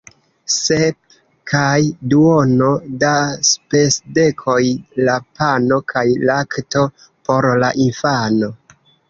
Sep kaj duono da spesdekoj la pano kaj lakto por la infano!